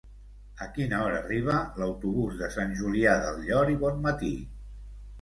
A quina hora arriba l'autobús de Sant Julià del Llor i Bonmatí?